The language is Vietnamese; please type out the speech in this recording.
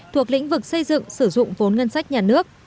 thuộc lĩnh vực xây dựng sử dụng vốn ngân sách nhà nước